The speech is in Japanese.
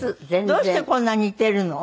どうしてこんな似てるの？